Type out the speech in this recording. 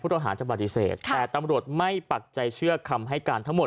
พวกโทษอาหารจะบาริเสธแต่ตำลวดไม่ปรักใจเชื่อคำให้การทำหมด